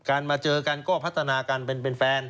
การมาเจอกันก็มาพัฒนาการเป็นแฟน